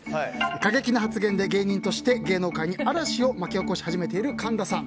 過激な発言で芸人として芸能界に嵐を巻き起こし始めている神田さん。